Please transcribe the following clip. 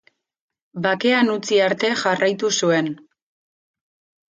Bakean utzi arte jarraitu zuen.